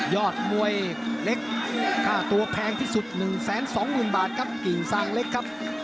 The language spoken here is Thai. ยอดมวยเล็กค่าตัวแพงที่สุด๑๒๐๐๐บาทครับกิ่งซางเล็กครับ